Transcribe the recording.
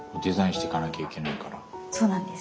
そうなんです。